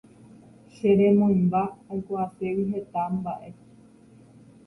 che remoimba aikuaaségui heta mba'e